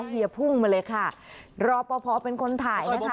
เฮียพุ่งมาเลยค่ะรอปภเป็นคนถ่ายนะคะ